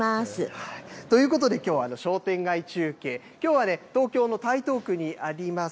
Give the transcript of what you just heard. ということできょうは商店街中継、きょうは東京の台東区にあります